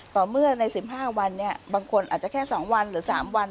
ต่อเมื่อใน๑๕วันบางคนอาจจะแค่๒วันหรือ๓วัน